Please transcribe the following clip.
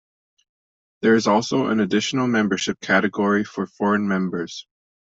There is also an additional membership category for foreign members.